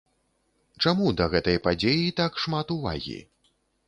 Чаму да гэтай падзеі так шмат увагі?